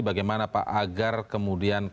bagaimana pak agar kemudian